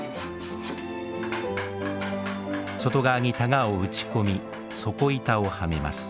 外側に箍を打ち込み底板をはめます。